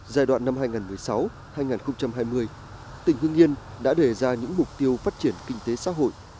giai đoạn năm hai nghìn một mươi sáu hai nghìn hai mươi tỉnh hương yên đã đề ra những mục tiêu phát triển kinh tế xã hội